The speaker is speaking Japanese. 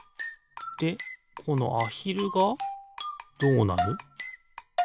でこのアヒルがどうなる？